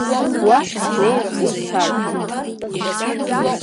Уа сахьнеиз ус сарҳәеит…